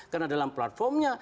karena dalam platformnya